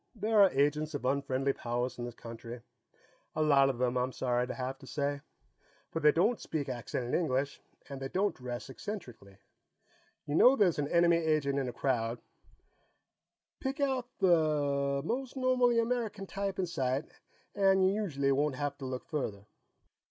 There are agents of unfriendly powers in this country a lot of them, I'm sorry to have to say. But they don't speak accented English, and they don't dress eccentrically. You know there's an enemy agent in a crowd, pick out the most normally American type in sight and you usually won't have to look further."